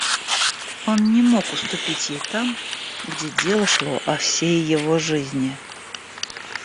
Он не мог уступить ей там, где дело шло о всей его жизни.